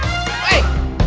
bangun bangun bangun